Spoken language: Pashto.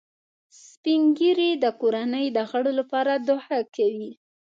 سپین ږیری د کورنۍ د غړو لپاره دعا کوي